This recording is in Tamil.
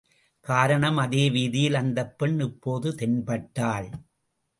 காரணம் அதே வீதியில் அந்தப் பெண் இப்போது தென்பட்டாள்.